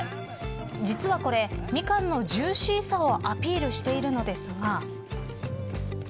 実は、これミカンのジューシーさをアピールしているんですが。